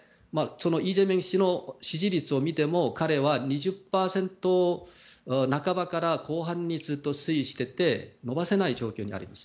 イ・ジェミョン氏の支持率を見ても彼は２０％半ばから後半に推移していて伸ばせない状況にあります。